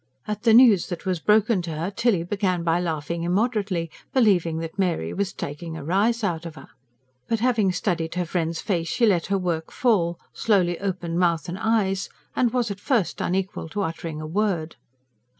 At the news that was broken to her Tilly began by laughing immoderately, believing that Mary was "taking a rise out of her." But having studied her friend's face she let her work fall, slowly opened mouth and eyes, and was at first unequal to uttering a word.